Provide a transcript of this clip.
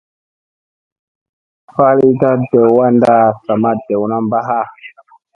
Falita dew wanda sa ma dewna mba ha.